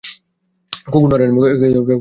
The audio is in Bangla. কুকুর নড়ে না, দাঁড়িয়ে থাকে।